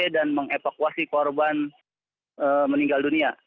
dan mengevakuasi korban meninggal dunia